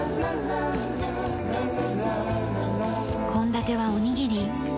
献立はおにぎり。